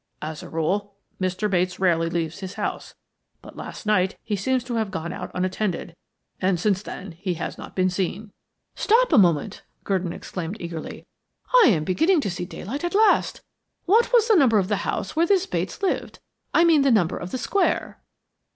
As a rule, Mr. Bates rarely leaves his house, but last night he seems to have gone out unattended, and since then, he has not been seen." "Stop a moment," Gurdon exclaimed eagerly. "I am beginning to see daylight at last. What was the number of the house where this Bates lived? I mean the number of the square."